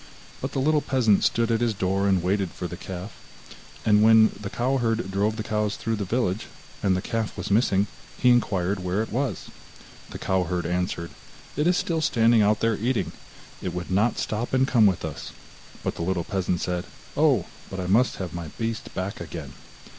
But the little peasant stood at his door, and waited for his little calf, and when the cow herd drove the cows through the village, and the calf was missing, he inquired where it was. The cow herd answered: 'It is still standing out there eating. It would not stop and come with us.' But the little peasant said: 'Oh, but I must have my beast back again.